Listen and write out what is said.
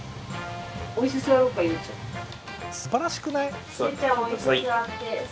すばらしくない？